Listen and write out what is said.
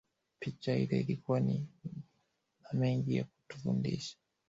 Picha ile ilikuwa na mengi ya kutufundisha